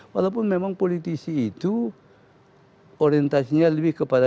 walaupun memang politisi itu orientasinya lebih ke kesehatan